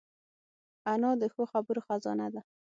انا د ښو خبرو خزانه ده